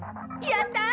やったー！